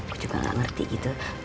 aku juga gak ngerti gitu